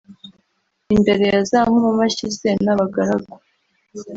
imbere ya za nkomamashyi ze n’abagaragu